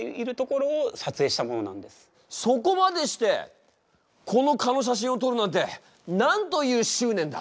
そこまでしてこの蚊の写真を撮るなんてなんという執念だ。